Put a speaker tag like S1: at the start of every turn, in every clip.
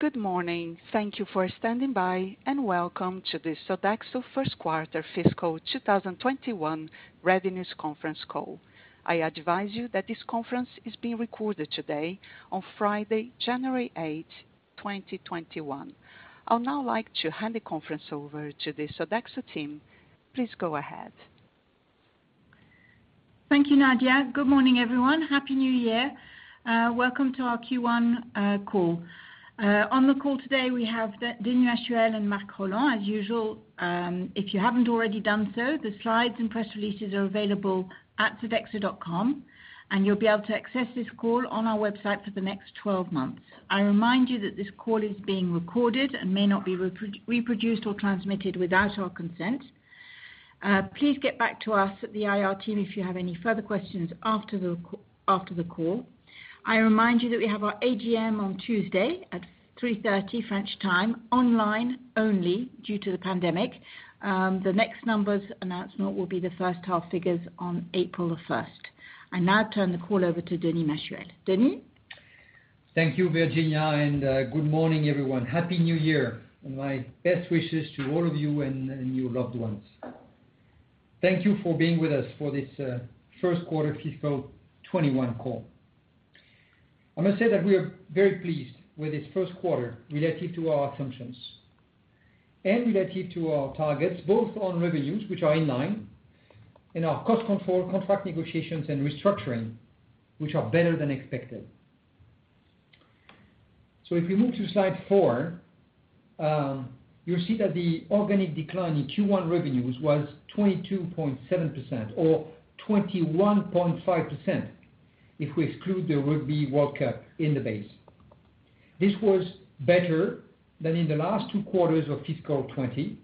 S1: Good morning. Thank you for standing by, welcome to the Sodexo first quarter fiscal 2021 revenues conference call. I advise that this conference is being recorded today on Friday, January 8, 2021. I'd now like to hand the conference over to the Sodexo team. Please go ahead.
S2: Thank you, Nadia. Good morning, everyone. Happy New Year. Welcome to our Q1 call. On the call today, we have Denis Machuel and Marc Rolland. As usual, if you haven't already done so, the slides and press releases are available at sodexo.com, and you'll be able to access this call on our website for the next 12 months. I remind you that this call is being recorded and may not be reproduced or transmitted without our consent. Please get back to us at the IR team if you have any further questions after the call. I remind you that we have our AGM on Tuesday at 3:30 P.M. French time online only due to the pandemic. The next numbers announcement will be the first half figures on April the 1st. I now turn the call over to Denis Machuel. Denis?
S3: Thank you, Virginia, and good morning, everyone. Happy New Year, and my best wishes to all of you and your loved ones. Thank you for being with us for this first quarter fiscal 2021 call. I must say that we are very pleased with this first quarter relative to our assumptions and relative to our targets, both on revenues, which are in line, and our cost control, contract negotiations, and restructuring, which are better than expected. If we move to slide four, you'll see that the organic decline in Q1 revenues was 22.7%, or 21.5% if we exclude the Rugby World Cup in the base. This was better than in the last two quarters of fiscal 2020,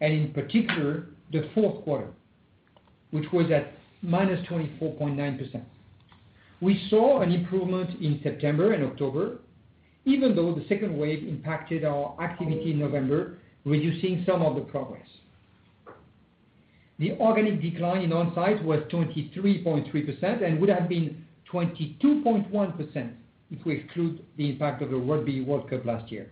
S3: and in particular, the fourth quarter, which was at -24.9%. We saw an improvement in September and October, even though the second wave impacted our activity in November, reducing some of the progress. The organic decline in On-Site was 23.3% and would have been 22.1% if we exclude the impact of the Rugby World Cup last year.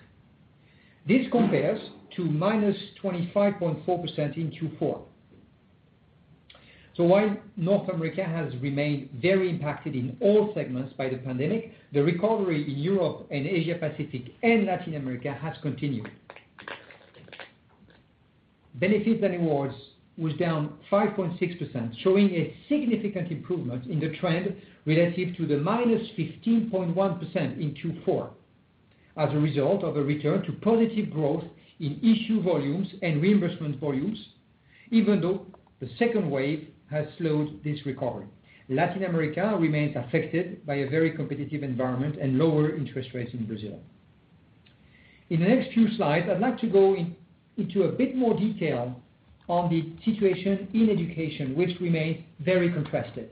S3: This compares to -25.4% in Q4. While North America has remained very impacted in all segments by the pandemic, the recovery in Europe and Asia-Pacific and Latin America has continued. Benefits and Rewards was down 5.6%, showing a significant improvement in the trend relative to the -15.1% in Q4 as a result of a return to positive growth in issue volumes and reimbursement volumes, even though the second wave has slowed this recovery. Latin America remains affected by a very competitive environment and lower interest rates in Brazil. In the next few slides, I'd like to go into a bit more detail on the situation in education, which remains very contrasted.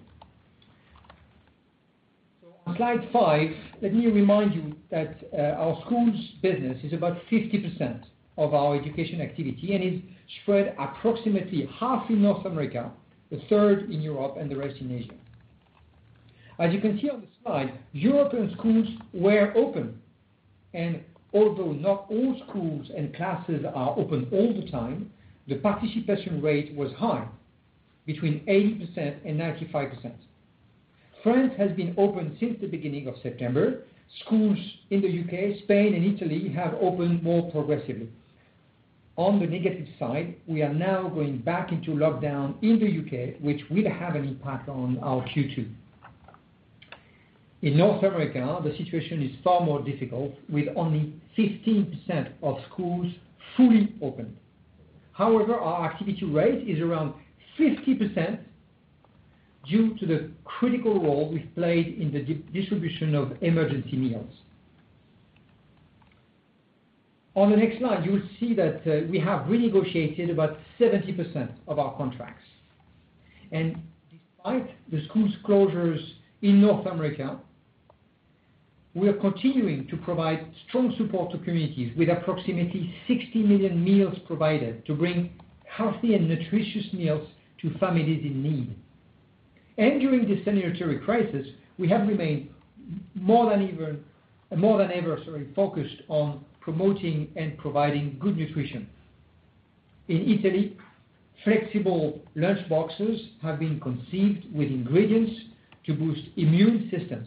S3: On slide five, let me remind you that our schools business is about 50% of our education activity, and it's spread approximately half in North America, a third in Europe and the rest in Asia. As you can see on the slide, European schools were open, and although not all schools and classes are open all the time, the participation rate was high, between 80% and 95%. France has been open since the beginning of September. Schools in the U.K., Spain, and Italy have opened more progressively. On the negative side, we are now going back into lockdown in the U.K., which will have an impact on our Q2. In North America, the situation is far more difficult, with only 15% of schools fully open. However, our activity rate is around 50% due to the critical role we've played in the distribution of emergency meals. On the next slide, you will see that we have renegotiated about 70% of our contracts. Despite the school closures in North America, we are continuing to provide strong support to communities with approximately 60 million meals provided to bring healthy and nutritious meals to families in need. During this sanitary crisis, we have remained more than ever focused on promoting and providing good nutrition. In Italy, flexible lunchboxes have been conceived with ingredients to boost immune systems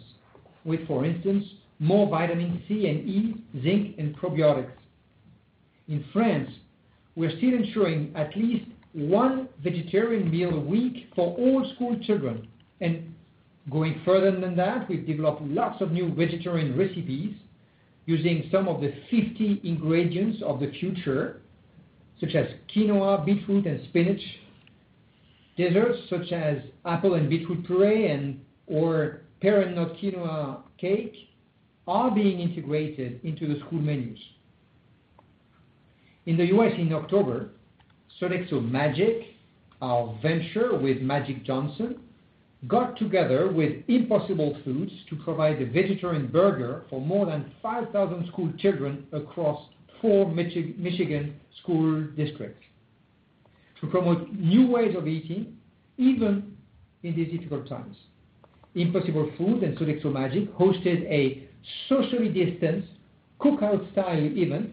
S3: with, for instance, more vitamin C and E, zinc, and probiotics. In France, we are still ensuring at least one vegetarian meal a week for all school children. Going further than that, we've developed lots of new vegetarian recipes using some of the 50 ingredients of the future, such as quinoa, beetroot, and spinach. Desserts such as apple and beetroot puree and/or pear and quinoa cake are being integrated into the school menus. In the U.S. in October, SodexoMagic, our venture with Magic Johnson, got together with Impossible Foods to provide a vegetarian burger for more than 5,000 school children across four Michigan school districts. To promote new ways of eating, even in these difficult times. Impossible Foods and SodexoMagic hosted a socially distanced cookout style event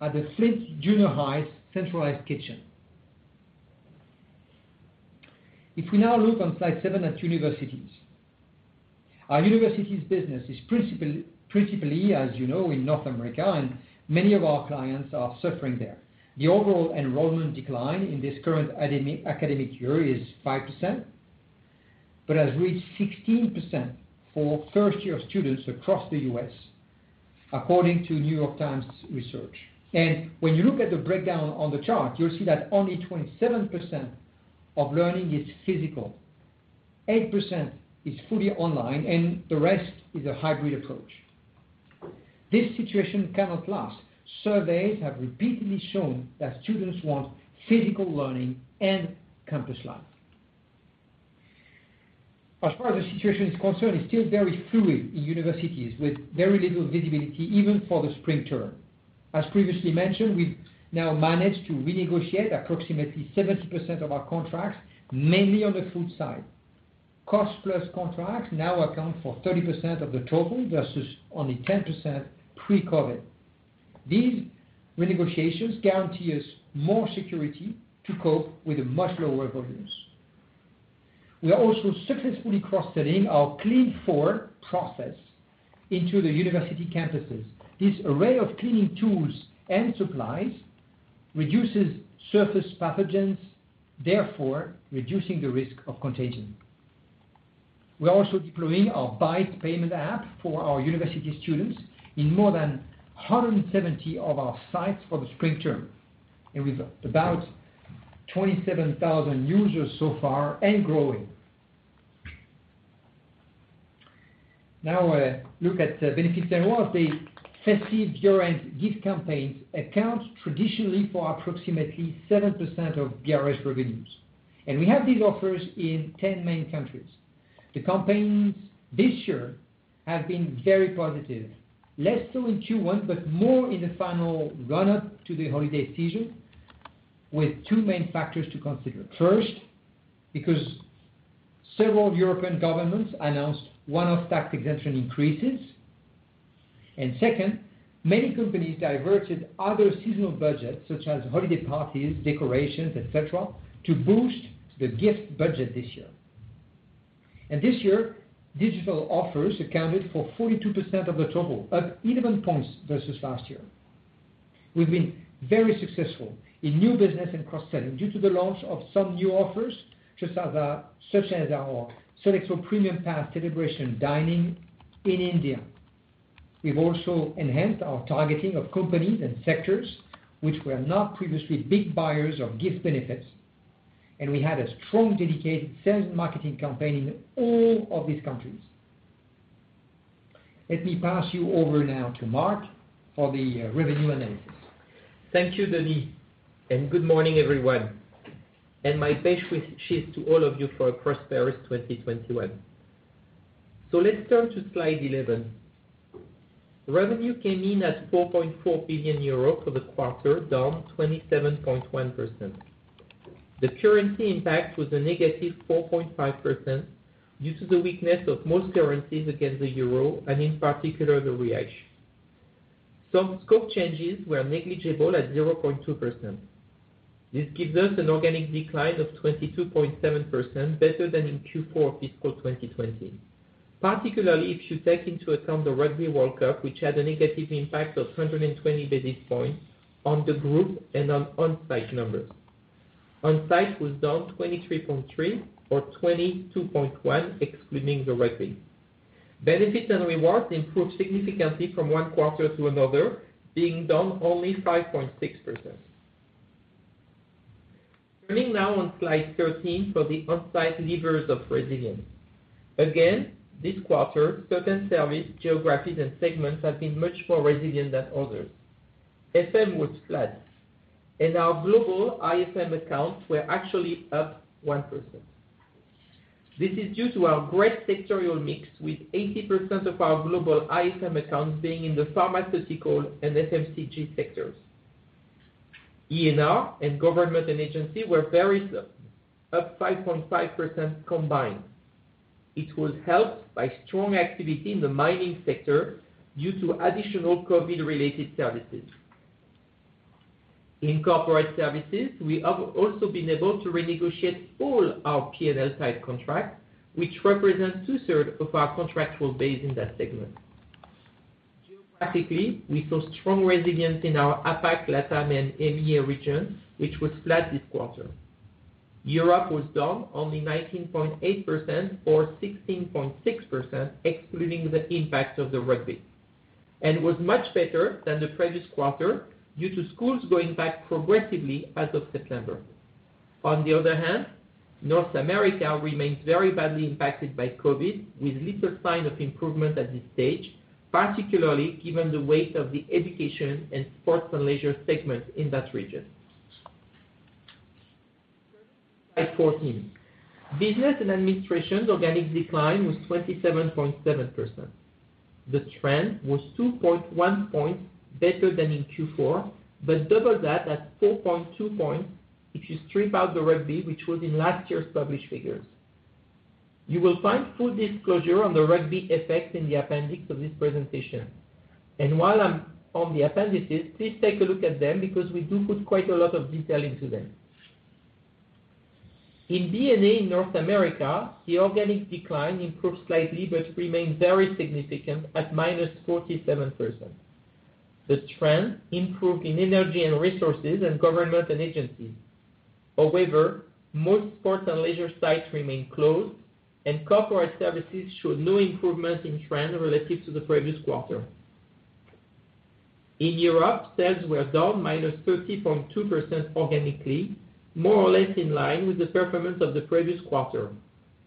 S3: at the Flint Junior High centralized kitchen. We now look on slide seven at universities. Our universities business is principally, as you know, in North America, and many of our clients are suffering there. The overall enrollment decline in this current academic year is 5%, but has reached 16% for first-year students across the U.S., according to The New York Times research. When you look at the breakdown on the chart, you'll see that only 27% of learning is physical, 8% is fully online, and the rest is a hybrid approach. This situation cannot last. Surveys have repeatedly shown that students want physical learning and campus life. As far as the situation is concerned, it's still very fluid in universities, with very little visibility even for the spring term. As previously mentioned, we've now managed to renegotiate approximately 70% of our contracts, mainly on the food side. Cost-plus contracts now account for 30% of the total versus only 10% pre-COVID. These renegotiations guarantee us more security to cope with a much lower volumes. We are also successfully cross-selling our Clean4 process into the university campuses. This array of cleaning tools and supplies reduces surface pathogens, therefore reducing the risk of contagion. We are also deploying our Bite payment app for our university students in more than 170 of our sites for the spring term, and with about 27,000 users so far and growing. Look at benefits and rewards. The festive year-end gift campaigns account traditionally for approximately 7% of BRS revenues, and we have these offers in 10 main countries. The campaigns this year have been very positive, less so in Q1, but more in the final run-up to the holiday season with two main factors to consider. First, because several European governments announced one-off tax exemption increases, and second, many companies diverted other seasonal budgets such as holiday parties, decorations, et cetera, to boost the gift budget this year. This year, digital offers accounted for 42% of the total, up 11 points versus last year. We have been very successful in new business and cross-selling due to the launch of some new offers such as our Sodexo Premium Pass Celebration Dining in India. We have also enhanced our targeting of companies and sectors which were not previously big buyers of gift benefits. We had a strong dedicated sales marketing campaign in all of these countries. Let me pass you over now to Marc for the revenue analysis.
S4: Thank you, Denis, good morning, everyone, and my best wishes to all of you for a prosperous 2021. Let's turn to slide 11. Revenue came in at 4.4 billion euros for the quarter, down 27.1%. The currency impact was a negative 4.5% due to the weakness of most currencies against the euro, and in particular, the real. Some scope changes were negligible at 0.2%. This gives us an organic decline of 22.7%, better than in Q4 fiscal 2020. Particularly if you take into account the Rugby World Cup, which had a negative impact of 120 basis points on the group and on on-site numbers. On-Site was down 23.3% or 22.1% excluding the rugby. Benefits and Rewards improved significantly from one quarter to another, being down only 5.6%. Turning now on slide 13 for the on-site levers of resilience. Again, this quarter, certain service geographies and segments have been much more resilient than others. FM was flat, and our global IFM accounts were actually up 1%. This is due to our great sectorial mix with 80% of our global IFM accounts being in the pharmaceutical and FMCG sectors. E&R and government and agency were very slow, up 5.5% combined. It was helped by strong activity in the mining sector due to additional COVID-related services. In corporate services, we have also been able to renegotiate all our P&L type contracts, which represent two-third of our contractual base in that segment. Geographically, we saw strong resilience in our APAC, LATAM, and EMEA regions, which was flat this quarter. Europe was down only 19.8% or 16.6% excluding the impact of the Rugby, and was much better than the previous quarter due to schools going back progressively as of September. North America remains very badly impacted by COVID, with little sign of improvement at this stage, particularly given the weight of the education and sports and leisure segments in that region. Slide 14. Business and Administration's organic decline was 27.7%. The trend was 2.1 points better than in Q4, but double that at 4.2 points if you strip out the rugby, which was in last year's published figures. You will find full disclosure on the rugby effect in the appendix of this presentation. While I'm on the appendices, please take a look at them because we do put quite a lot of detail into them. In B&A in North America, the organic decline improved slightly but remained very significant at -47%. The trend improved in Energy & Resources and government and agencies. However, most sports and leisure sites remain closed, and corporate services showed no improvement in trend relative to the previous quarter. In Europe, sales were down -30.2% organically, more or less in line with the performance of the previous quarter.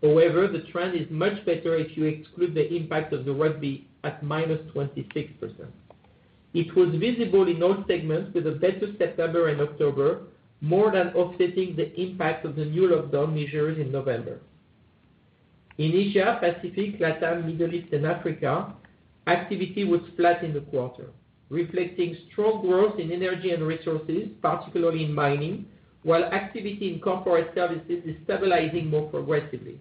S4: However, the trend is much better if you exclude the impact of the rugby, at -26%. It was visible in all segments with a better September and October, more than offsetting the impact of the new lockdown measures in November. In Asia, Pacific, LATAM, Middle East, and Africa, activity was flat in the quarter, reflecting strong growth in Energy & Resources, particularly in mining, while activity in corporate services is stabilizing more progressively.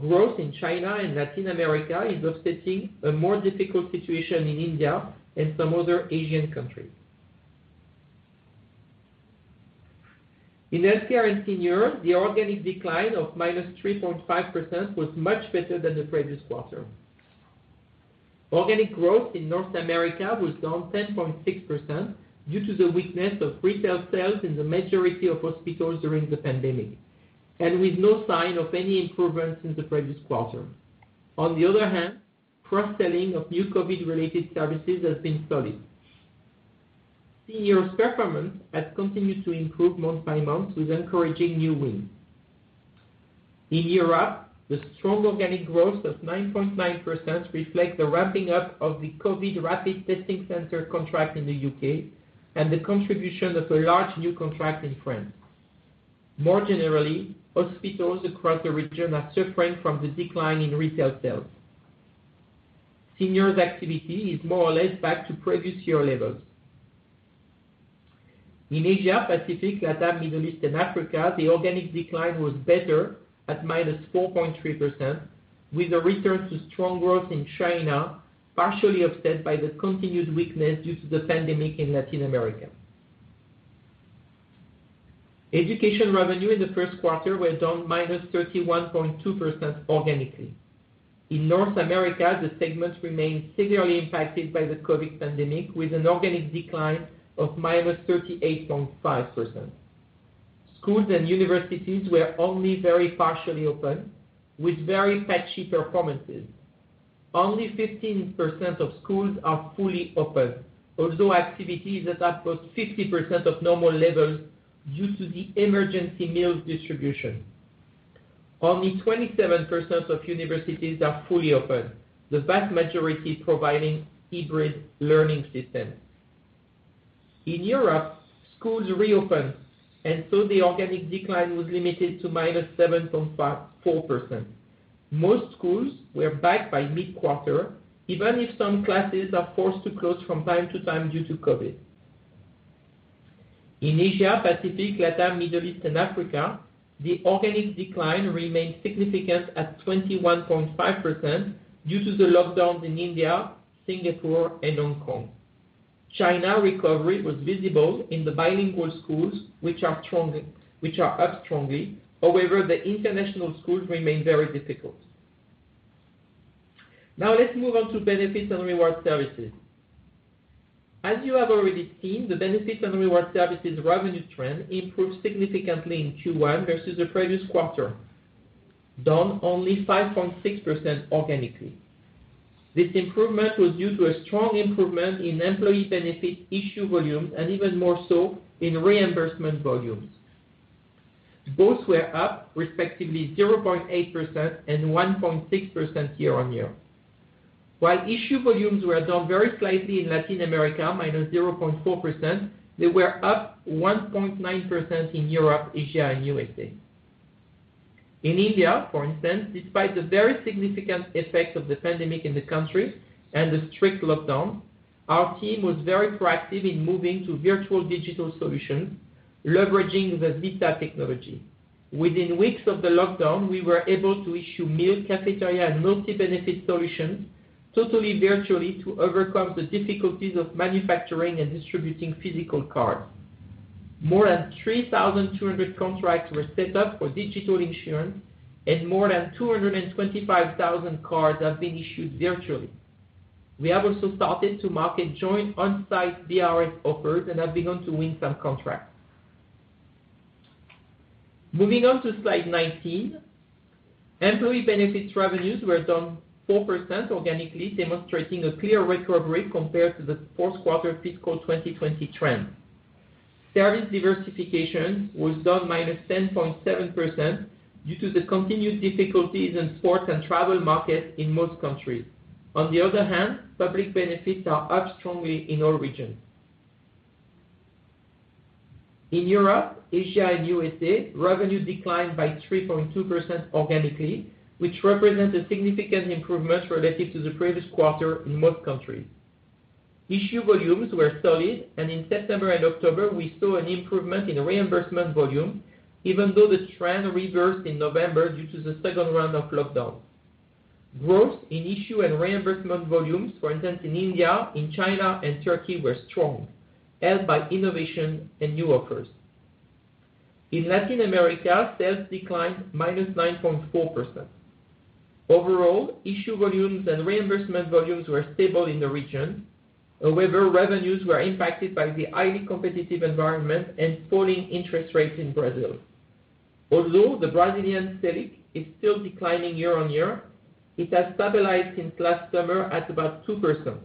S4: Growth in China and Latin America is offsetting a more difficult situation in India and some other Asian countries. In Healthcare & Seniors, the organic decline of -3.5% was much better than the previous quarter. Organic growth in North America was down 10.6% due to the weakness of retail sales in the majority of hospitals during the pandemic, and with no sign of any improvement since the previous quarter. On the other hand, cross-selling of new COVID-related services has been solid. Seniors performance has continued to improve month by month with encouraging new wins. In Europe, the strong organic growth of 9.9% reflects the ramping up of the COVID rapid testing center contract in the U.K. and the contribution of a large new contract in France. More generally, hospitals across the region are suffering from the decline in retail sales. Seniors activity is more or less back to previous year levels. In Asia, Pacific, LATAM, Middle East, and Africa, the organic decline was better at -4.3%, with a return to strong growth in China, partially offset by the continued weakness due to the pandemic in Latin America. Education revenue in the first quarter were down -31.2% organically. In North America, the segment remained severely impacted by the COVID pandemic, with an organic decline of -38.5%. Schools and universities were only very partially open, with very patchy performances. Only 15% of schools are fully open, although activity is at about 50% of normal levels due to the emergency meals distribution. Only 27% of universities are fully open, the vast majority providing hybrid learning systems. In Europe, schools reopened, and so the organic decline was limited to -7.4%. Most schools were back by mid-quarter, even if some classes are forced to close from time to time due to COVID. In Asia, Pacific, LATAM, Middle East, and Africa, the organic decline remained significant at 21.5% due to the lockdowns in India, Singapore, and Hong Kong. China recovery was visible in the bilingual schools, which are up strongly. The international schools remain very difficult. Let's move on to Benefits and Reward Services. As you have already seen, the Benefits and Reward Services revenue trend improved significantly in Q1 versus the previous quarter, down only 5.6% organically. This improvement was due to a strong improvement in employee benefit issue volume, and even more so in reimbursement volumes. Both were up respectively 0.8% and 1.6% year-on-year. While issue volumes were down very slightly in Latin America, -0.4%, they were up 1.9% in Europe, Asia, and USA. In India, for instance, despite the very significant effect of the pandemic in the country and the strict lockdown, our team was very proactive in moving to virtual digital solutions, leveraging the Zeta technology. Within weeks of the lockdown, we were able to issue meal, cafeteria, and multi-benefit solutions totally virtually to overcome the difficulties of manufacturing and distributing physical cards. More than 3,200 contracts were set up for digital issuance, and more than 225,000 cards have been issued virtually. We have also started to market joint On-Site BRS offers and have begun to win some contracts. Moving on to slide 19. Employee benefits revenues were down 4% organically, demonstrating a clear recovery compared to the fourth quarter fiscal 2020 trend. Service diversification was down -10.7% due to the continued difficulties in sports and travel markets in most countries. On the other hand, public benefits are up strongly in all regions. In Europe, Asia, and U.S., revenue declined by 3.2% organically, which represents a significant improvement relative to the previous quarter in most countries. Issue volumes were solid, and in September and October, we saw an improvement in reimbursement volume, even though the trend reversed in November due to the second round of lockdowns. Growth in issue and reimbursement volumes, for instance, in India, in China, and Turkey were strong, helped by innovation and new offers. In Latin America, sales declined -9.4%. Overall, issue volumes and reimbursement volumes were stable in the region. However, revenues were impacted by the highly competitive environment and falling interest rates in Brazil. Although the Brazilian Selic is still declining year-on-year, it has stabilized since last summer at about 2%.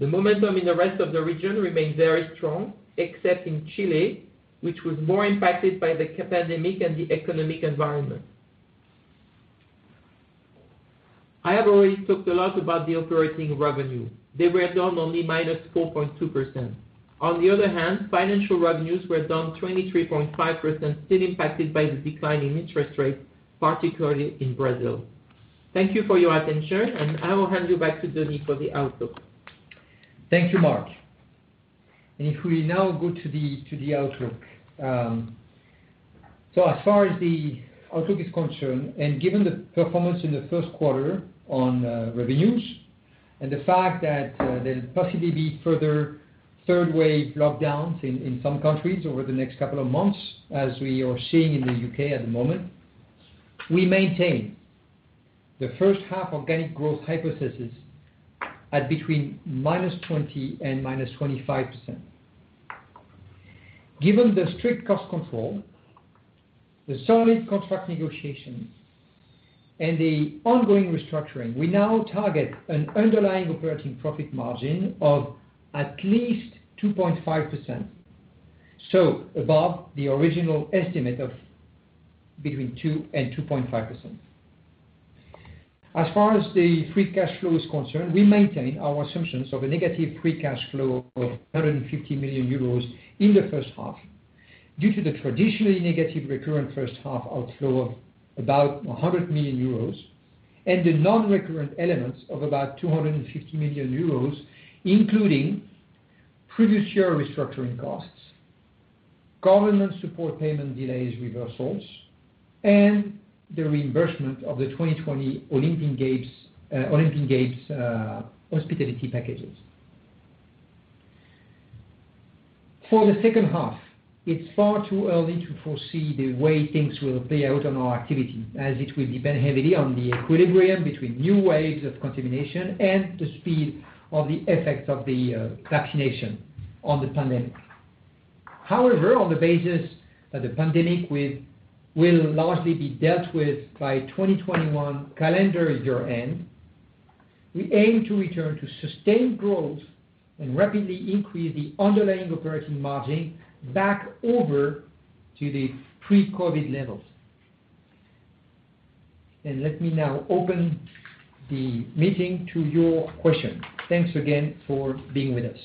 S4: The momentum in the rest of the region remains very strong, except in Chile, which was more impacted by the pandemic and the economic environment. I have already talked a lot about the operating revenue. They were down only -4.2%. On the other hand, financial revenues were down 23.5%, still impacted by the decline in interest rates, particularly in Brazil. Thank you for your attention, and I will hand you back to Denis for the outlook.
S3: Thank you, Marc. If we now go to the outlook. As far as the outlook is concerned and given the performance in the first quarter on revenues and the fact that there'll possibly be further third-wave lockdowns in some countries over the next couple of months, as we are seeing in the U.K. at the moment, we maintain the first half organic growth hypothesis at between -20% and -25%. Given the strict cost control, the solid contract negotiation, and the ongoing restructuring, we now target an underlying operating profit margin of at least 2.5%, so above the original estimate of between 2% and 2.5%. As far as the free cash flow is concerned, we maintain our assumptions of a negative free cash flow of 150 million euros in the first half due to the traditionally negative recurrent first half outflow of about 100 million euros and the non-recurrent elements of about 250 million euros, including previous year restructuring costs, government support payment delays reversals, and the reimbursement of the 2020 Olympic Games hospitality packages. For the second half, it's far too early to foresee the way things will play out on our activity, as it will depend heavily on the equilibrium between new waves of contamination and the speed of the effects of the vaccination on the pandemic. However, on the basis that the pandemic will largely be dealt with by 2021 calendar year-end, we aim to return to sustained growth and rapidly increase the Underlying operating margin back over to the pre-COVID levels. Let me now open the meeting to your questions. Thanks again for being with us.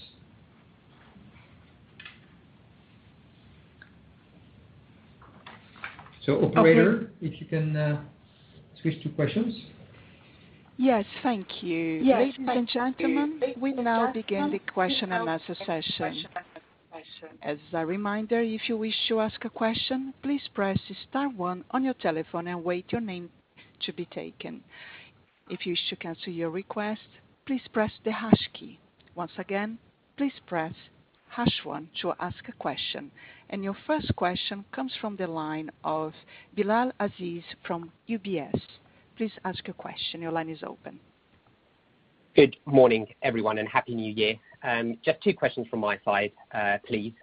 S3: Operator, if you can switch to questions.
S1: Yes. Thank you. Ladies and gentlemen, we now begin the question and answer session. As a reminder, if you wish to ask a question, please press star one on your telephone and wait your name to be taken. If you wish to cancel your request, please press the hash key. Once again, please press hash one to ask a question. Your first question comes from the line of Bilal Aziz from UBS. Please ask your question. Your line is open.
S5: Good morning, everyone, and Happy New Year. Just two questions from my side, please.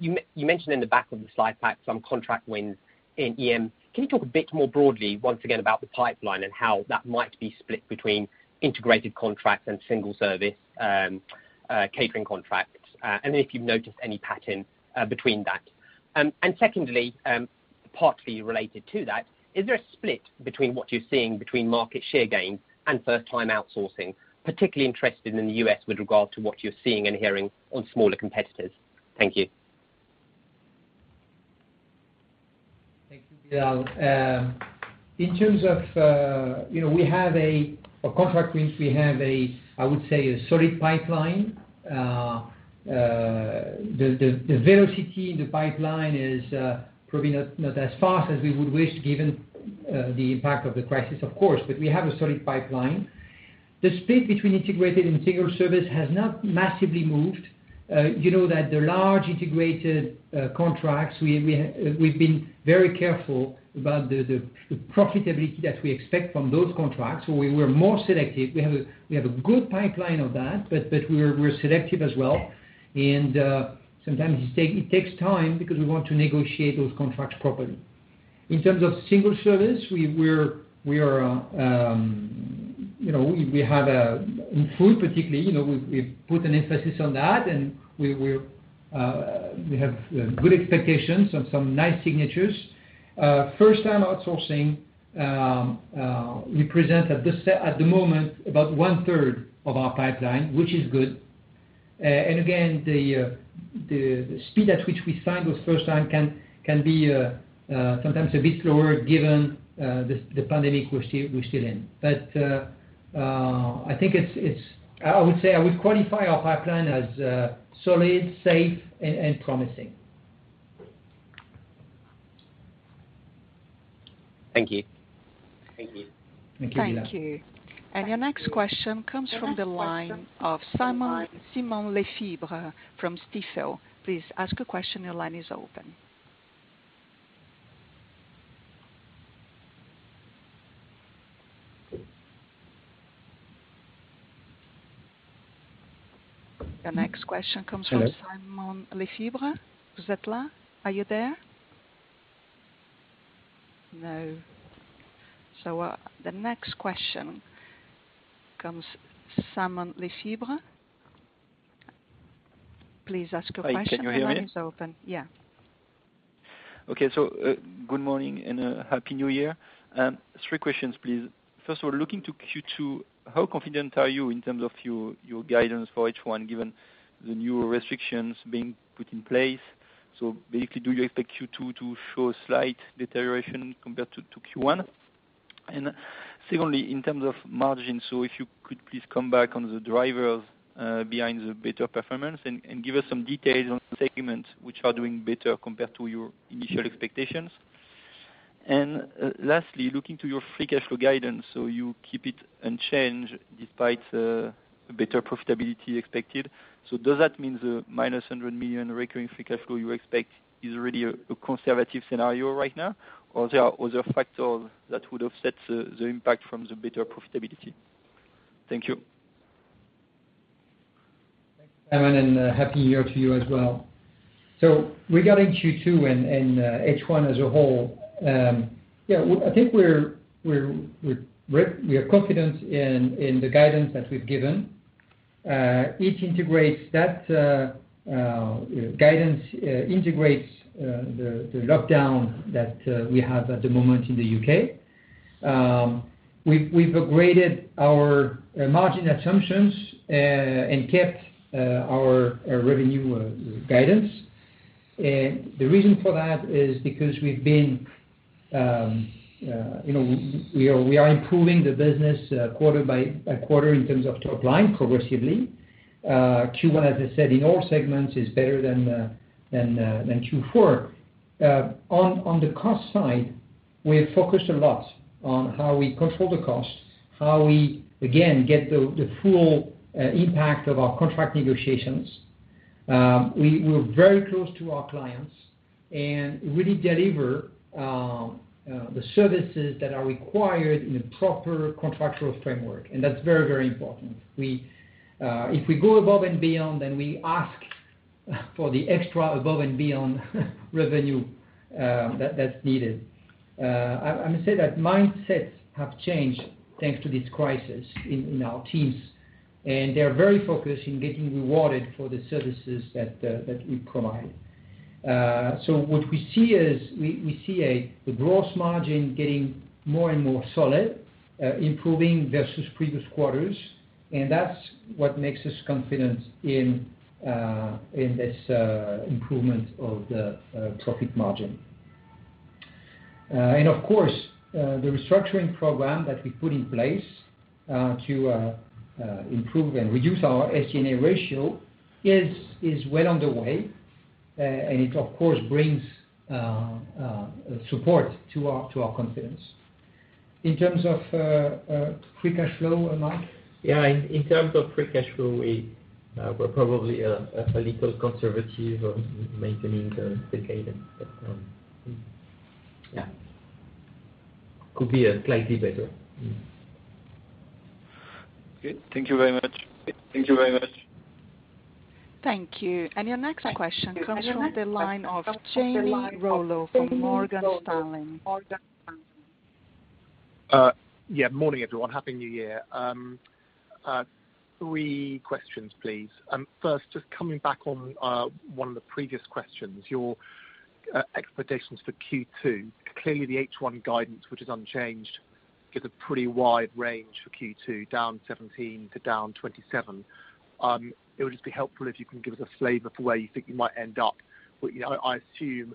S5: You mentioned in the back of the slide pack some contract wins in FM. Can you talk a bit more broadly once again about the pipeline and how that might be split between integrated contracts and single service catering contracts, and if you've noticed any pattern between that? Secondly, partly related to that, is there a split between what you're seeing between market share gains and first-time outsourcing, particularly interested in the U.S. with regard to what you're seeing and hearing on smaller competitors? Thank you.
S3: Thank you, Bilal. In terms of contract wins, we have, I would say, a solid pipeline. The velocity in the pipeline is probably not as fast as we would wish, given the impact of the crisis, of course, but we have a solid pipeline. The split between integrated and single service has not massively moved. You know that the large integrated contracts, we've been very careful about the profitability that we expect from those contracts. We were more selective. We have a good pipeline of that, but we're selective as well. Sometimes it takes time because we want to negotiate those contracts properly. In terms of single service, in food particularly, we've put an emphasis on that, and we have good expectations of some nice signatures. First time outsourcing represents at the moment about one third of our pipeline, which is good. Again, the speed at which we sign those first time can be sometimes a bit slower given the pandemic we're still in. I would say I would qualify our pipeline as solid, safe, and promising.
S5: Thank you.
S3: Thank you.
S1: Thank you. Your next question comes from the line of Simon Lechipre from Stifel. Please ask a question. Your line is open. The next question comes from Simon Lechipre. Are you there? No. The next question comes Simon Lechipre. Please ask your question. Your line is open.
S6: Hi, can you hear me?
S1: Yeah.
S6: Okay. Good morning and happy New Year. Three questions, please. First of all, looking to Q2, how confident are you in terms of your guidance for H1 given the new restrictions being put in place? Basically, do you expect Q2 to show a slight deterioration compared to Q1? Secondly, in terms of margin, if you could please come back on the drivers behind the better performance and give us some details on segments which are doing better compared to your initial expectations. Lastly, looking to your free cash flow guidance. You keep it unchanged despite better profitability expected. Does that mean the minus 100 million recurring free cash flow you expect is really a conservative scenario right now? There are other factors that would offset the impact from the better profitability? Thank you.
S3: Thanks, Simon, and happy New Year to you as well. Regarding Q2 and H1 as a whole, I think we are confident in the guidance that we've given. That guidance integrates the lockdown that we have at the moment in the U.K. We've upgraded our margin assumptions and kept our revenue guidance. The reason for that is because we are improving the business quarter by quarter in terms of top line progressively. Q1, as I said, in all segments, is better than Q4. On the cost side, we have focused a lot on how we control the costs, how we again get the full impact of our contract negotiations. We're very close to our clients and really deliver the services that are required in a proper contractual framework. That's very, very important. If we go above and beyond, then we ask for the extra above and beyond revenue that's needed. I must say that mindsets have changed thanks to this crisis in our teams, and they're very focused in getting rewarded for the services that we provide. What we see is the gross margin getting more and more solid, improving versus previous quarters, and that's what makes us confident in this improvement of the profit margin. Of course, the restructuring program that we put in place to improve and reduce our SG&A ratio is well underway, and it of course brings support to our confidence. In terms of free cash flow, Marc?
S4: Yeah, in terms of free cash flow, we're probably a little conservative on maintaining the free cash flow. Yeah. Could be slightly better.
S6: Okay. Thank you very much.
S1: Thank you. Your next question comes from the line of Jamie Rollo from Morgan Stanley.
S7: Yeah. Morning, everyone. Happy New Year. Three questions, please. First, just coming back on one of the previous questions, your expectations for Q2. Clearly the H1 guidance, which is unchanged, gives a pretty wide range for Q2, down 17 to down 27. It would just be helpful if you can give us a flavor for where you think you might end up. I assume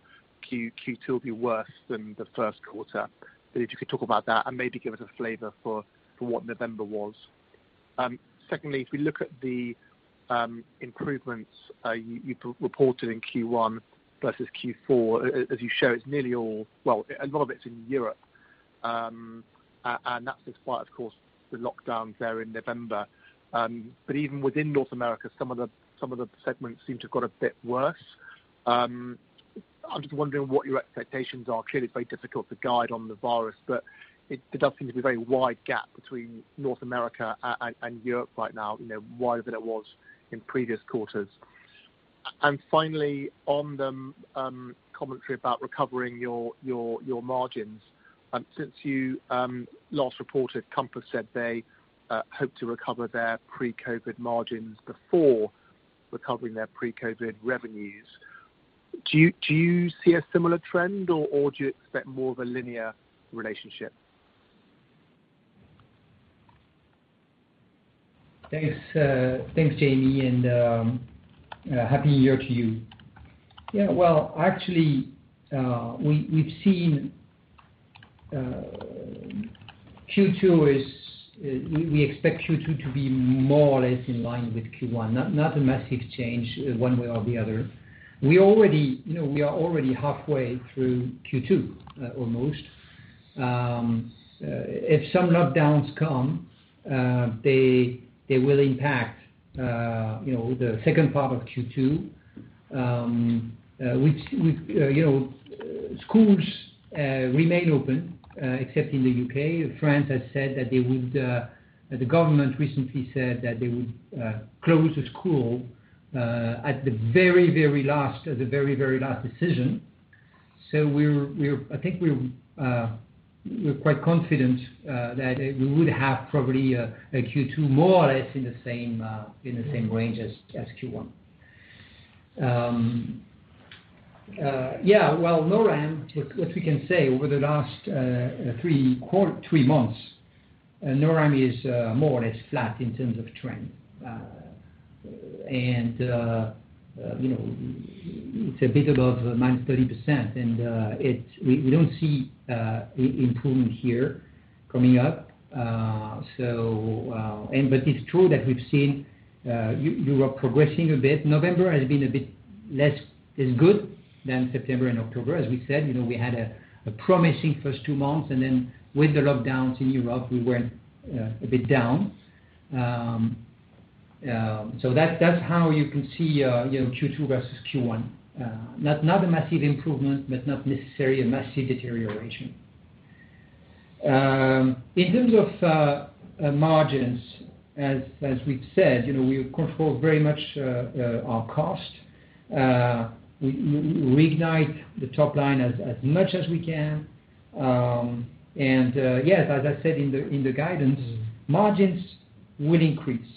S7: Q2 will be worse than the first quarter, but if you could talk about that and maybe give us a flavor for what November was. Secondly, if we look at the improvements you reported in Q1 versus Q4, as you show, a lot of it's in Europe. That's in spite, of course, the lockdowns there in November. Even within North America, some of the segments seem to have got a bit worse. I'm just wondering what your expectations are. Clearly, it's very difficult to guide on the virus, but there does seem to be a very wide gap between North America and Europe right now, wider than it was in previous quarters. Finally, on the commentary about recovering your margins. Since you last reported, Compass said they hope to recover their pre-COVID margins before recovering their pre-COVID revenues. Do you see a similar trend, or do you expect more of a linear relationship?
S3: Thanks, Jamie, and happy New Year to you. Yeah. Well, actually, we expect Q2 to be more or less in line with Q1, not a massive change one way or the other. We are already halfway through Q2, almost. If some lockdowns come, they will impact the second part of Q2. Which, schools remain open, except in the U.K. France has said that the government recently said that they would close the school as a very last decision. I think we're quite confident that we would have probably a Q2 more or less in the same range as Q1. Yeah. Well, NORAM, what we can say, over the last three months, NORAM is more or less flat in terms of trend. It's a bit above minus 30%, and we don't see improvement here coming up. It's true that we've seen Europe progressing a bit. November has been a bit less as good than September and October. As we said, we had a promising first two months, then with the lockdowns in Europe, we went a bit down. That's how you can see Q2 versus Q1. Not a massive improvement, but not necessarily a massive deterioration. In terms of margins, as we've said, we control very much our cost. We reignite the top line as much as we can. Yes, as I said in the guidance, margins will increase.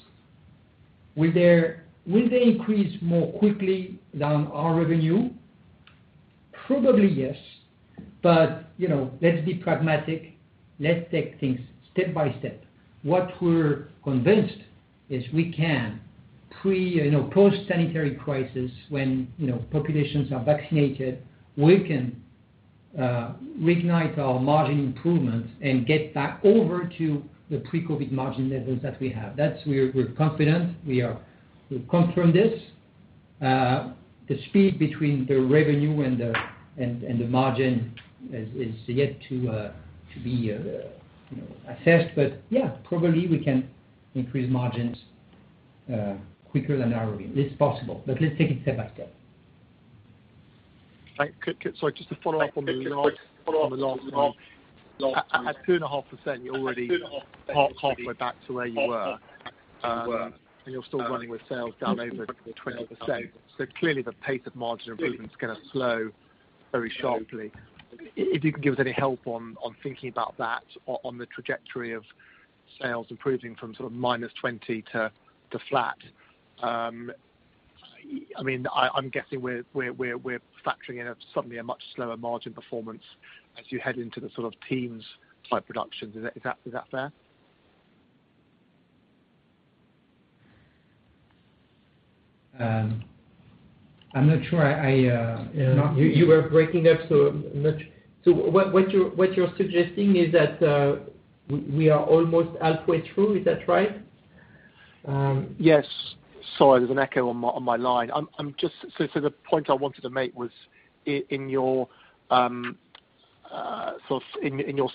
S3: Will they increase more quickly than our revenue? Probably, yes. Let's be pragmatic. Let's take things step by step. What we're convinced is we can, post-sanitary crisis, when populations are vaccinated, we can reignite our margin improvements and get back over to the pre-COVID margin levels that we have. That, we're confident. We're confident this. The speed between the revenue and the margin is yet to be assessed. Yeah, probably we can increase margins quicker than our revenue. It's possible, but let's take it step by step.
S7: Sorry, just to follow up on the last one. At 2.5%, you're already halfway back to where you were, and you're still running with sales down over 20%. Clearly the pace of margin improvement is going to slow very sharply. If you can give us any help on thinking about that on the trajectory of sales improving from -20% to flat. I'm guessing we're factoring in suddenly a much slower margin performance as you head into the sort of Teams-type production. Is that fair?
S3: I'm not sure. You were breaking up, what you're suggesting is that we are almost halfway through, is that right?
S7: Yes. Sorry, there's an echo on my line. The point I wanted to make was, in your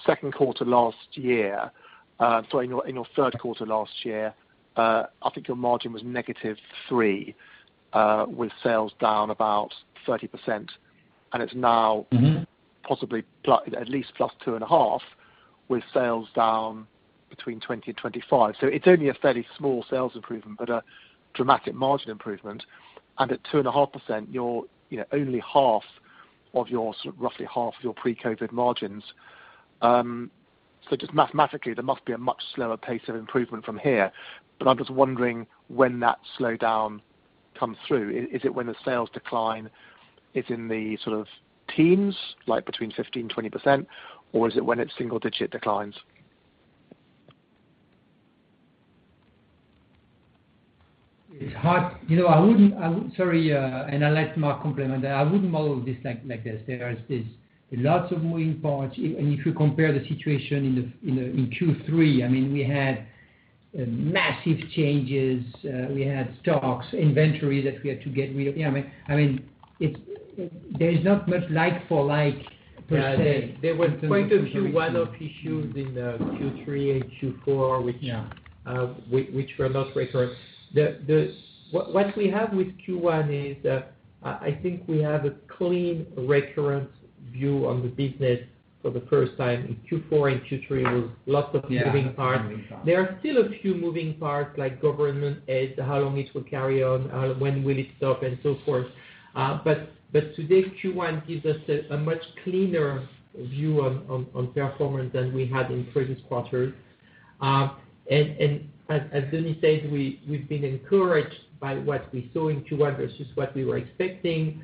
S7: second quarter last year, sorry, in your third quarter last year, I think your margin was negative three, with sales down about 30%.
S3: Mm-hmm.
S7: Possibly at least +2.5%, with sales down between 20% and 25%. It's only a fairly small sales improvement, but a dramatic margin improvement. At 2.5%, you're only roughly half of your pre-COVID margins. Just mathematically, there must be a much slower pace of improvement from here. I'm just wondering when that slowdown comes through. Is it when the sales decline is in the sort of teens, like between 15% and 20%? Or is it when it's single-digit declines?
S3: It's hard. Sorry, I'll let Marc complement that. I wouldn't model this like this. There's lots of moving parts. If you compare the situation in Q3, we had massive changes. We had stocks, inventory that we had to get rid of. There's not much like for like, per se.
S4: There was quite a few one-off issues in the Q3 and Q4.
S3: Yeah.
S4: Which were not recurrent. What we have with Q1 is, I think we have a clean, recurrent view on the business for the first time. In Q4 and Q3 was lots of moving parts.
S3: Yeah, lots of moving parts.
S4: There are still a few moving parts like government aid, how long it will carry on, when will it stop, and so forth. Today, Q1 gives us a much cleaner view on performance than we had in previous quarters. As Denis said, we've been encouraged by what we saw in Q1 versus what we were expecting.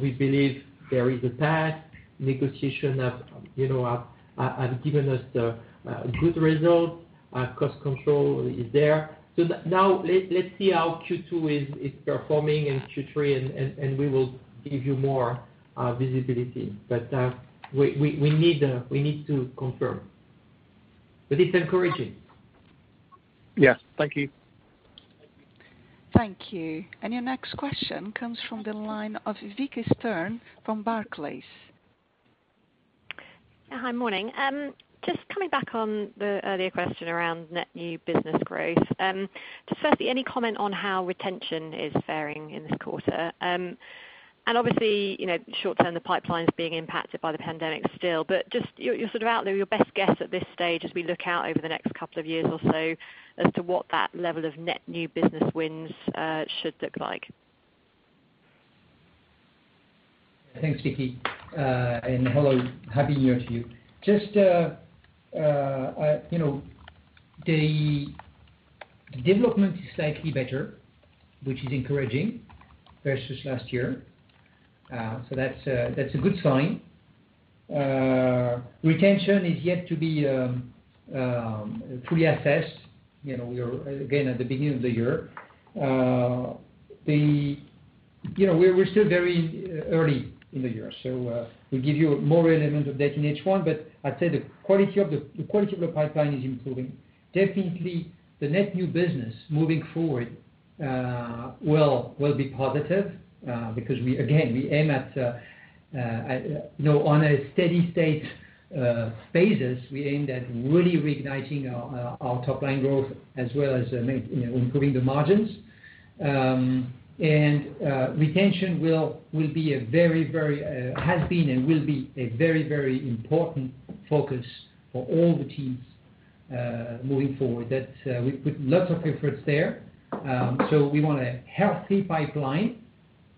S4: We believe there is a path. Negotiation have given us the good result. Cost control is there. Now let see how Q2 is performing and Q3, and we will give you more visibility. We need to confirm. It's encouraging.
S7: Yes. Thank you.
S1: Thank you. Your next question comes from the line of Vicki Stern from Barclays.
S8: Yeah. Hi, morning. Just coming back on the earlier question around net new business growth. Just firstly, any comment on how retention is fairing in this quarter? Obviously, short-term, the pipeline's being impacted by the pandemic still, but just your best guess at this stage as we look out over the next couple of years or so as to what that level of net new business wins should look like.
S3: Thanks, Vicki. Hello, Happy New Year to you. Just the development is slightly better, which is encouraging, versus last year. That's a good sign. Retention is yet to be fully assessed. We are, again, at the beginning of the year. We're still very early in the year, so we'll give you more element of that in H1, but I'd say the quality of the pipeline is improving. Definitely, the net new business moving forward will be positive because, again, on a steady state basis, we aim at really reigniting our top-line growth as well as improving the margins. Retention has been and will be a very important focus for all the teams, moving forward. We put lots of efforts there. We want a healthy pipeline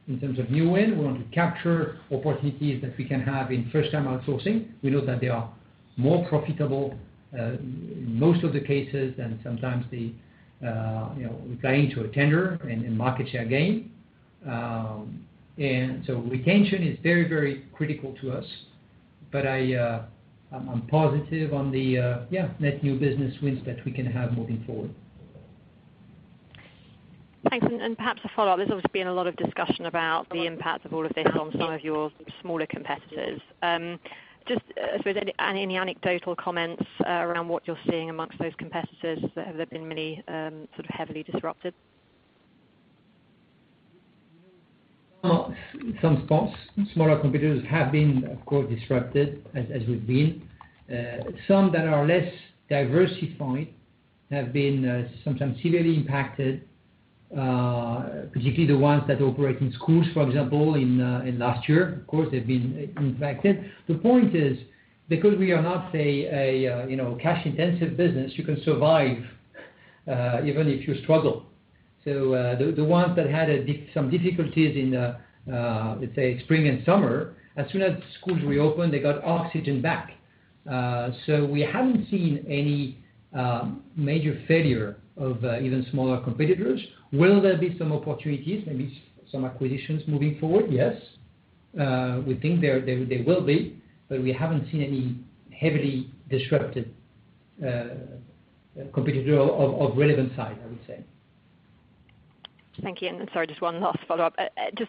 S3: in terms of new win. We want to capture opportunities that we can have in first-time outsourcing. We know that they are more profitable, in most of the cases, than sometimes the gain to a tender and market share gain. Retention is very, very critical to us, but I'm positive on the net new business wins that we can have moving forward.
S8: Thanks. Perhaps a follow-up. There's obviously been a lot of discussion about the impact of all of this on some of your smaller competitors. Just any anecdotal comments around what you're seeing amongst those competitors that have been really heavily disrupted?
S3: Some spots. Smaller competitors have been, of course, disrupted as we've been. Some that are less diversified have been sometimes severely impacted, particularly the ones that operate in schools, for example, last year, of course, they've been impacted. The point is, because we are not a cash-intensive business, you can survive even if you struggle. The ones that had some difficulties in, let's say, spring and summer, as soon as schools reopened, they got oxygen back. We haven't seen any major failure of even smaller competitors. Will there be some opportunities, maybe some acquisitions moving forward? Yes. We think there will be, but we haven't seen any heavily disrupted competitor of relevant size, I would say.
S8: Thank you. Sorry, just one last follow-up.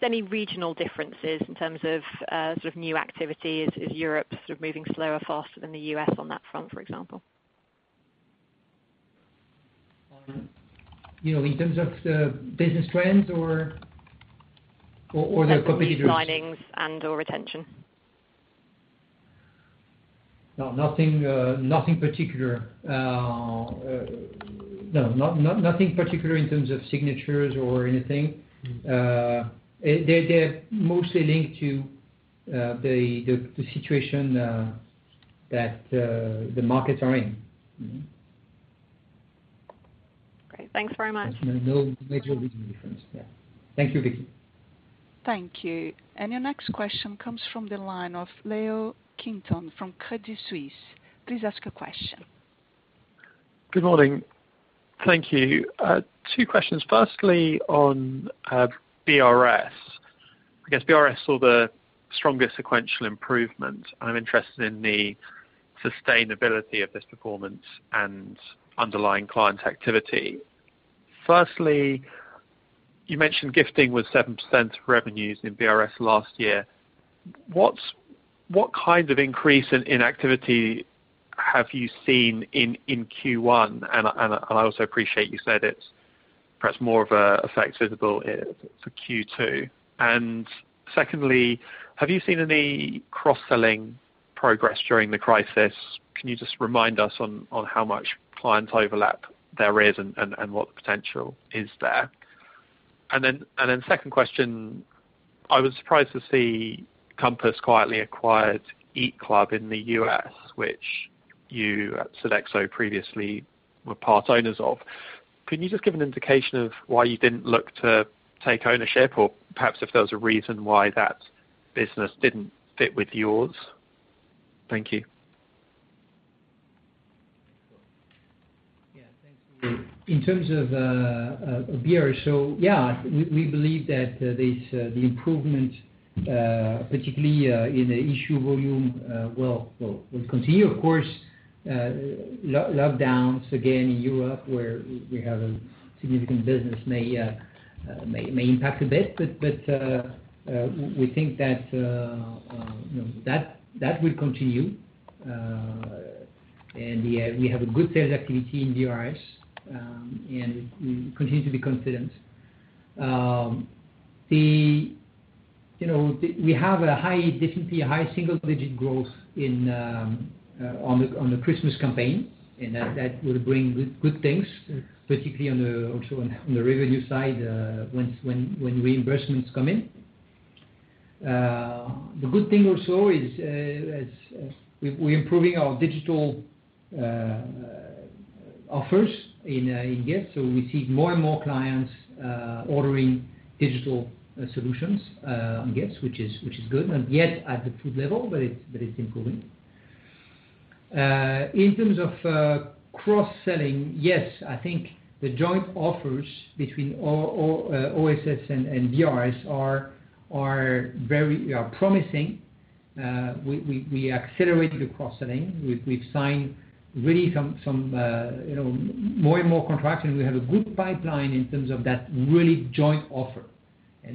S8: Any regional differences in terms of new activities? Is Europe moving slower, faster than the U.S. on that front, for example?
S3: In terms of the business trends or the competitors?
S8: New signings and/or retention.
S3: No, nothing particular. No, nothing particular in terms of signatures or anything. They're mostly linked to the situation that the markets are in.
S8: Great. Thanks very much.
S3: No major regional difference. Yeah. Thank you, Vicki.
S1: Thank you. Your next question comes from the line of Leo Carrington from Credit Suisse. Please ask your question.
S9: Good morning. Thank you. Two questions. Firstly, on BRS. I guess BRS saw the strongest sequential improvement, and I am interested in the sustainability of this performance and underlying client activity. Firstly, you mentioned gifting was 7% of revenues in BRS last year. What kind of increase in activity have you seen in Q1? I also appreciate you said it is perhaps more of an effect visible for Q2. Secondly, have you seen any cross-selling progress during the crisis? Can you just remind us on how much client overlap there is and what the potential is there? Second question, I was surprised to see Compass quietly acquired EAT Club in the U.S., which you at Sodexo previously were part owners of. Can you just give an indication of why you didn't look to take ownership or perhaps if there was a reason why that business didn't fit with yours? Thank you.
S3: Yeah. Thanks. In terms of BRS, yeah, we believe that the improvement, particularly in the issue volume, will continue. Of course, lockdowns again in Europe where we have a significant business may impact a bit. We think that will continue. We have a good sales activity in BRS and we continue to be confident. We have definitely a high single-digit growth on the Christmas campaign, that will bring good things, particularly also on the revenue side, when reimbursements come in. The good thing also is we're improving our digital offers in Get. We see more and more clients ordering digital solutions on Get, which is good. Not yet at the food level, it's improving. In terms of cross-selling, yes, I think the joint offers between OSS and BRS are promising. We accelerated the cross-selling. We've signed really some more and more contracts, and we have a good pipeline in terms of that really joint offer.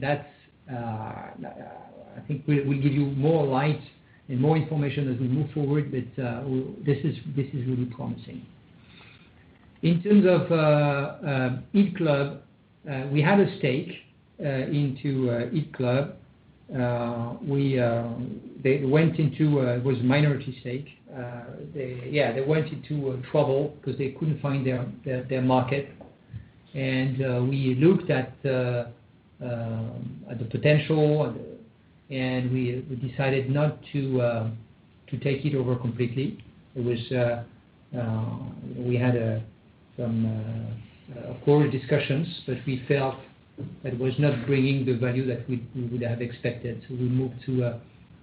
S3: That, I think, will give you more light and more information as we move forward. This is really promising. In terms of EAT Club, we had a stake into EAT Club. It was a minority stake. They went into trouble because they couldn't find their market, and we looked at the potential, and we decided not to take it over completely. We had some core discussions, but we felt that it was not bringing the value that we would have expected, so we moved to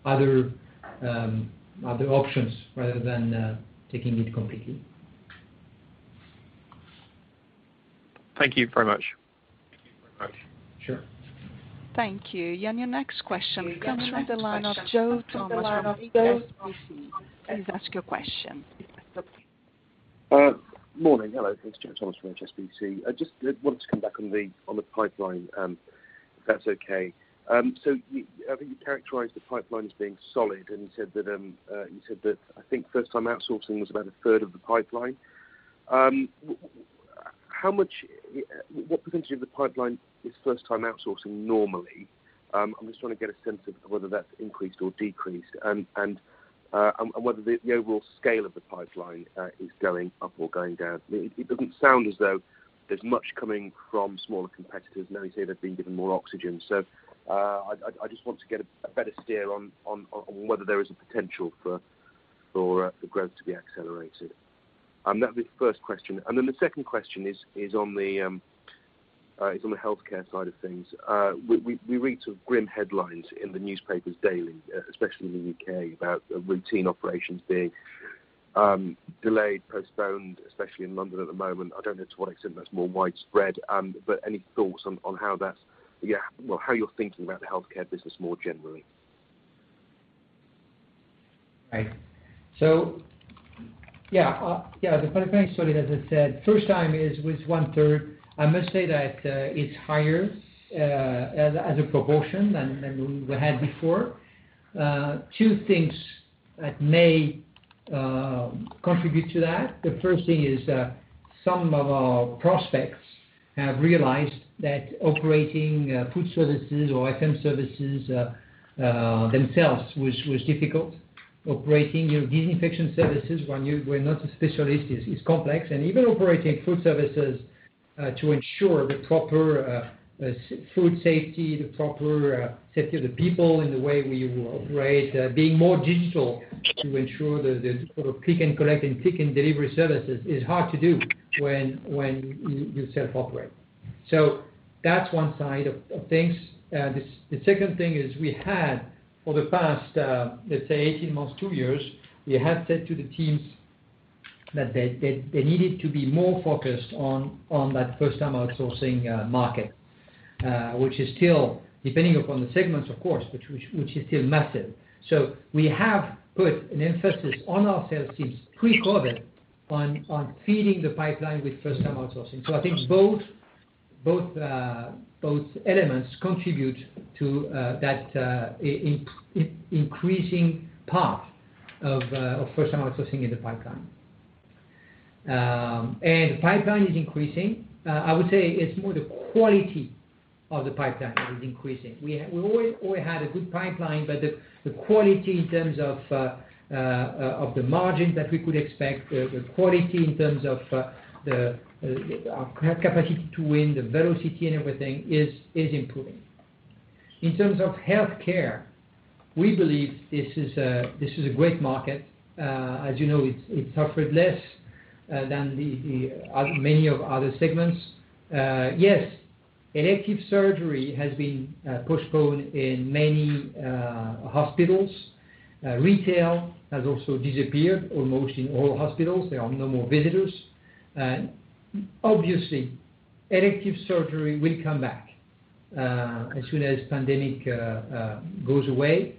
S3: other options rather than taking it completely.
S9: Thank you very much.
S3: Sure.
S1: Thank you. Your next question comes from the line of Joe Thomas from HSBC. Please ask your question.
S10: Morning. Hello. It's Joe from HSBC. I just wanted to come back on the pipeline, if that's okay. You characterized the pipeline as being solid, and you said that, I think, first-time outsourcing was about a third of the pipeline. What percentage of the pipeline is first-time outsourcing normally? I'm just trying to get a sense of whether that's increased or decreased and whether the overall scale of the pipeline is going up or going down. It doesn't sound as though there's much coming from smaller competitors, and I would say they've been given more oxygen. I just want to get a better steer on whether there is a potential for growth to be accelerated. That'd be the first question. The second question is on the healthcare side of things. We read grim headlines in the newspapers daily, especially in the U.K., about routine operations being delayed, postponed, especially in London at the moment. Any thoughts on how you're thinking about the healthcare business more generally?
S3: Right. Yeah, the pipeline is solid, as I said. First time is with one third. I must say that it's higher as a proportion than we had before. Two things that may contribute to that. The first thing is some of our prospects have realized that operating food services or FM services themselves was difficult. Operating your disinfection services when you were not a specialist is complex. Even operating food services to ensure the proper food safety, the proper safety of the people in the way we operate, being more digital to ensure the click and collect and click and delivery services is hard to do when you self-operate. That's one side of things. The second thing is we had for the past, let's say, 18 months, two years, we have said to the teams that they needed to be more focused on that first-time outsourcing market, which is still depending upon the segments, of course, but which is still massive. We have put an emphasis on our sales teams pre-COVID on feeding the pipeline with first-time outsourcing. I think both elements contribute to that increasing part of first-time outsourcing in the pipeline. The pipeline is increasing. I would say it's more the quality of the pipeline that is increasing. We always had a good pipeline, but the quality in terms of the margins that we could expect, the quality in terms of our capacity to win, the velocity, and everything is improving. In terms of healthcare, we believe this is a great market. As you know, it suffered less than many of other segments. Yes, elective surgery has been postponed in many hospitals. Retail has also disappeared almost in all hospitals. There are no more visitors. Obviously, elective surgery will come back, as soon as pandemic goes away.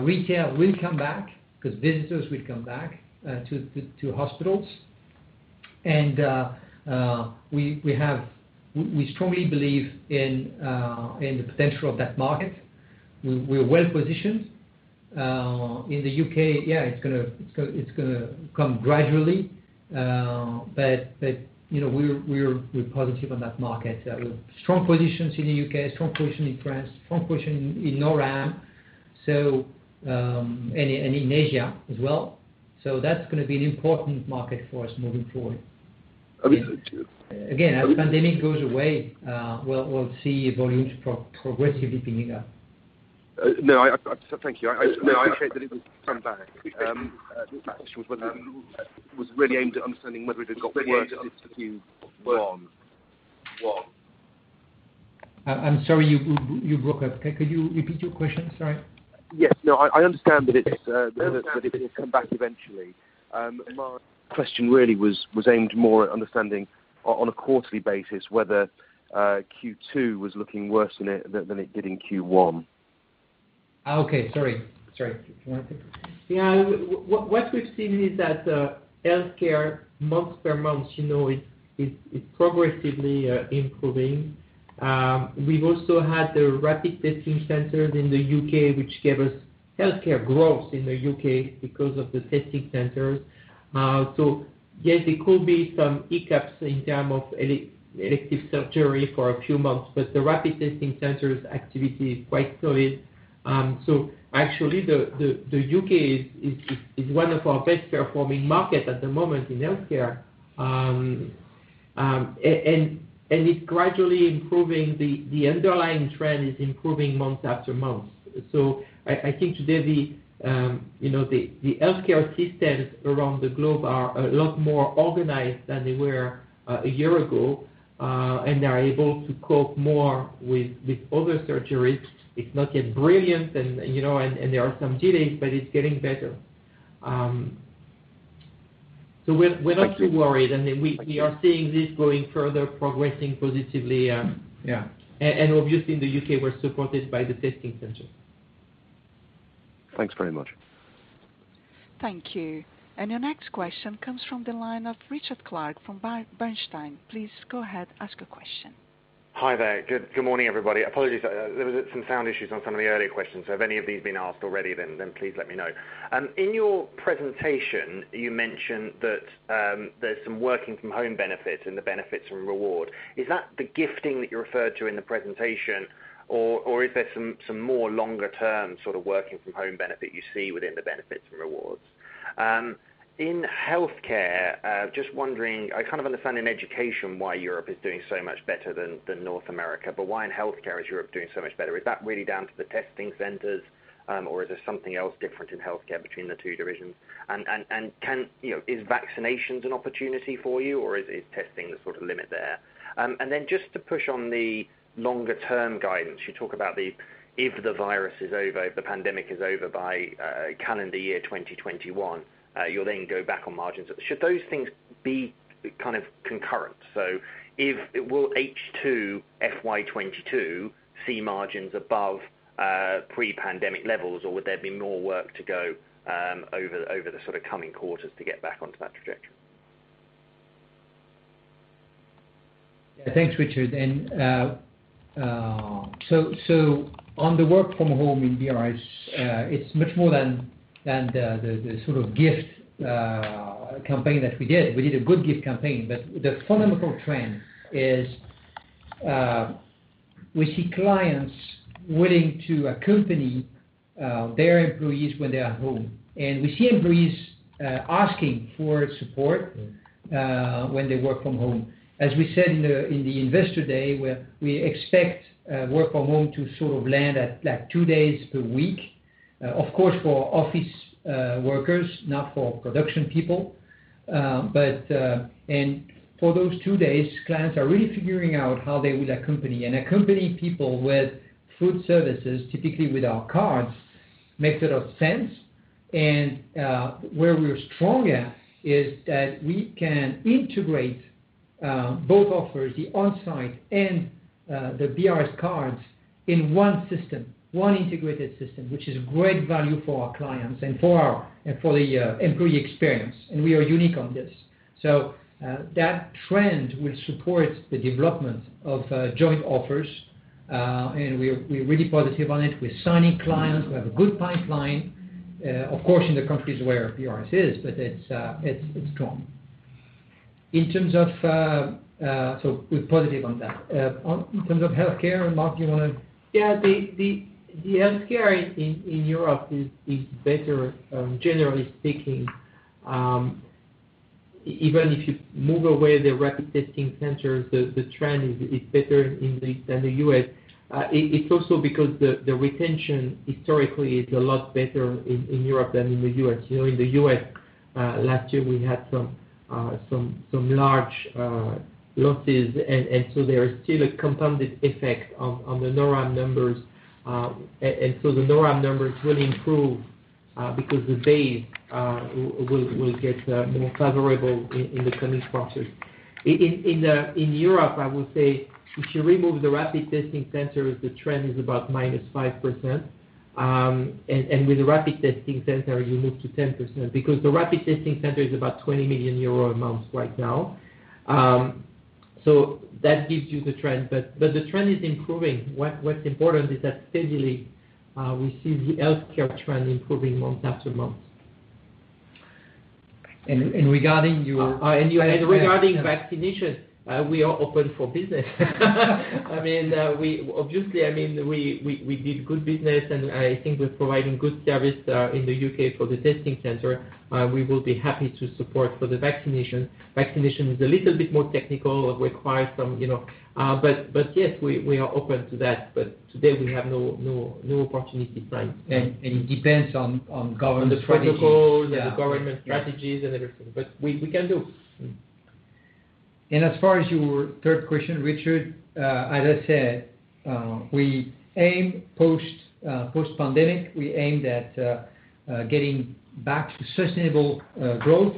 S3: Retail will come back because visitors will come back to hospitals. We strongly believe in the potential of that market. We're well-positioned. In the U.K., yeah, it's going to come gradually. We're positive on that market. Strong positions in the U.K., strong position in France, strong position in NORAM, and in Asia as well. That's going to be an important market for us moving forward.
S10: Okay, thank you.
S3: Again, as the pandemic goes away, we'll see volumes progressively picking up.
S10: No, thank you. No, I appreciate that it will come back. My question was really aimed at understanding whether it had got worse in Q1.
S3: I'm sorry, you broke up. Could you repeat your question? Sorry.
S10: Yes. No, I understand that it will come back eventually. My question really was aimed more at understanding on a quarterly basis whether Q2 was looking worse than it did in Q1.
S3: Okay, sorry. Marc?
S4: Yeah. What we've seen is that healthcare month to month, it's progressively improving. We've also had the rapid testing centers in the U.K., which gave us healthcare growth in the U.K. because of the testing centers. Yes, there could be some hiccups in term of elective surgery for a few months, but the rapid testing centers activity is quite solid. Actually, the U.K. is one of our best performing markets at the moment in healthcare. It's gradually improving. The underlying trend is improving month after month. I think today, the healthcare systems around the globe are a lot more organized than they were a year ago. They're able to cope more with other surgeries. It's not yet brilliant and there are some delays, but it's getting better. We're not too worried, and then we are seeing this going further, progressing positively.
S3: Yeah.
S4: Obviously in the U.K., we're supported by the testing centers.
S10: Thanks very much.
S1: Thank you. Your next question comes from the line of Richard Clarke from Bernstein. Please go ahead, ask a question.
S11: Hi there. Good morning, everybody. Apologies, there was some sound issues on some of the earlier questions. If any of these have been asked already, please let me know. In your presentation, you mentioned that there's some working from home benefits and the Benefits and Rewards. Is that the gifting that you referred to in the presentation, or is there some more longer-term sort of working from home benefit you see within the Benefits and Rewards? In healthcare, just wondering, I kind of understand in education why Europe is doing so much better than North America. Why in healthcare is Europe doing so much better? Is that really down to the testing centers, or is there something else different in healthcare between the two divisions? Is vaccinations an opportunity for you, or is testing the sort of limit there? Just to push on the longer-term guidance. You talk about the, if the virus is over, if the pandemic is over by calendar year 2021, you'll then go back on margins. Should those things be kind of concurrent? Will H2 FY 2022 see margins above pre-pandemic levels, or would there be more work to go over the sort of coming quarters to get back onto that trajectory?
S3: Thanks, Richard. On the work from home in BRS, it's much more than the sort of gift campaign that we did. We did a good gift campaign, but the fundamental trend is, we see clients wanting to accompany their employees when they're at home. We see employees asking for support when they work from home. As we said in the investor day, we expect work from home to sort of land at two days per week. Of course, for office workers, not for production people. For those two days, clients are really figuring out how they will accompany and accompany people with food services, typically with our cards, makes a lot of sense. Where we're strong at is that we can integrate both offers, the On-Site and the BRS cards in one system, one integrated system, which is great value for our clients and for the employee experience. We are unique on this. That trend will support the development of joint offers. We're really positive on it. We're signing clients. We have a good pipeline, of course, in the countries where BRS is, but it's strong. We're positive on that. In terms of healthcare, Marc, do you want to
S4: Yeah, the healthcare in Europe is better, generally speaking. Even if you move away the rapid testing centers, the trend is better than the U.S. It's also because the retention historically is a lot better in Europe than in the U.S. In the U.S., last year we had some large losses, and so there is still a compounded effect on the NORAM numbers. The NORAM numbers will improve because the base will get more favorable in the coming quarters. In Europe, I would say, if you remove the rapid testing centers, the trend is about -5%. With the rapid testing center, you move to 10%, because the rapid testing center is about 20 million euro a month right now. That gives you the trend, but the trend is improving. What's important is that steadily, we see the healthcare trend improving month after month.
S3: And regarding your-
S4: Regarding vaccinations, we are open for business. Obviously, we did good business, and I think we're providing good service in the U.K. for the testing center. We will be happy to support for the vaccination. Vaccination is a little bit more technical and requires some. Yes, we are open to that. Today we have no opportunity right now.
S3: It depends on government strategies.
S4: On the protocol and the government strategies and everything. We can do.
S3: As far as your third question, Richard, as I said, post-pandemic, we aim at getting back to sustainable growth,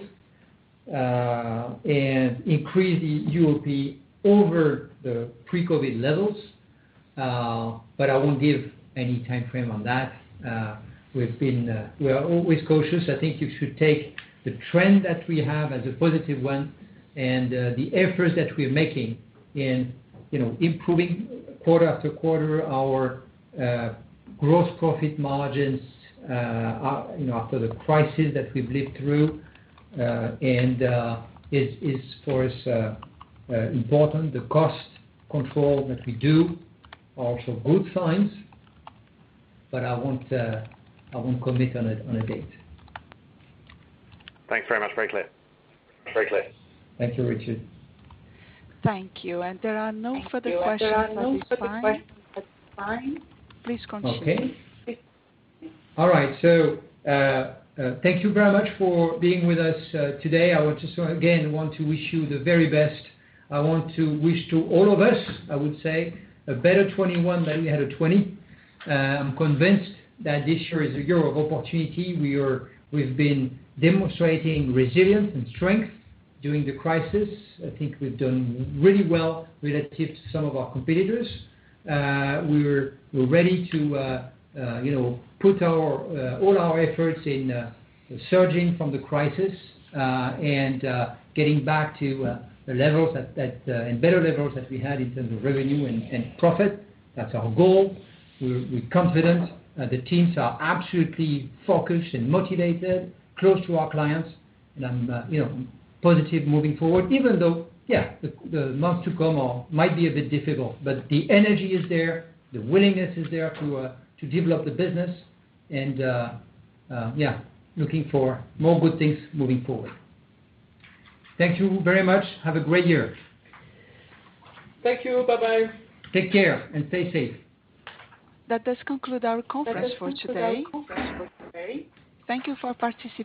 S3: and increase the EUR over the pre-COVID levels. I won't give any timeframe on that. We are always cautious. I think you should take the trend that we have as a positive one, and the efforts that we're making in improving quarter after quarter our gross profit margins after the crisis that we've lived through, and it is for us important, the cost control that we do are also good signs. I won't commit on a date.
S11: Thanks very much. Very clear.
S3: Thank you, Richard.
S1: Thank you. There are no further questions at this time. Please continue.
S3: Okay. All right. Thank you very much for being with us today. I want to again, want to wish you the very best. I want to wish to all of us, I would say, a better 2021 than we had 2020. I'm convinced that this year is the year of opportunity. We've been demonstrating resilience and strength during the crisis. I think we've done really well relative to some of our competitors. We're ready to put all our efforts in surging from the crisis, and getting back to the levels, and better levels that we had in terms of revenue and profit. That's our goal. We're confident. The teams are absolutely focused and motivated, close to our clients, and I'm positive moving forward, even though, yeah, the months to come might be a bit difficult. The energy is there, the willingness is there to develop the business and, yeah, looking for more good things moving forward. Thank you very much. Have a great year.
S4: Thank you. Bye-bye.
S3: Take care, and stay safe.
S1: That does conclude our conference for today. Thank you for participating.